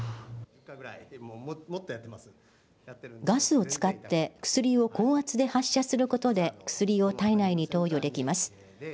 ガスを使って薬を高圧で発射することで薬を体内に投与できます。